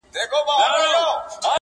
هغې ته درد لا ژوندی دی